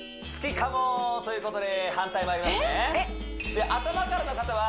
かもということで反対まいりますね